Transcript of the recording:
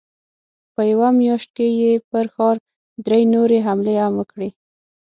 په يوه مياشت کې يې پر ښار درې نورې حملې هم وکړې.